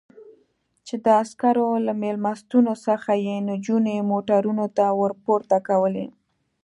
چې د عسکرو له مېلمستونونو څخه یې نجونې موټرونو ته ور پورته کولې.